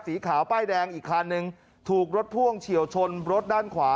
สีขาวป้ายแดงอีกคันหนึ่งถูกรถพ่วงเฉียวชนรถด้านขวา